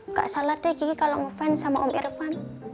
gak salah deh kiki kalo ngefans sama om irfan